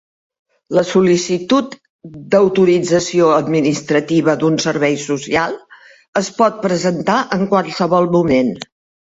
La sol·licitud d'autorització administrativa d'un servei social es pot presentar en qualsevol moment.